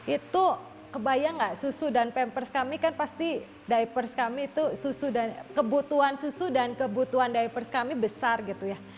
itu kebayang nggak susu dan pampers kami kan pasti diapers kami itu susu dan kebutuhan susu dan kebutuhan diapers kami besar gitu ya